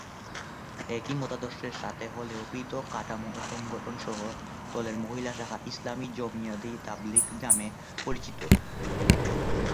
একই মতাদর্শের সাথে হলেও পৃথক কাঠামো ও সংগঠন সহ দলের মহিলা শাখা "ইসলামী জমিয়তে-ই-তালিবাত" নামে পরিচিত।